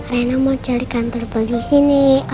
rena mau cari kantor polisi nih